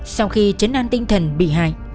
sau khi chấn đoan tinh thần bị hại